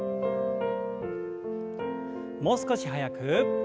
もう少し速く。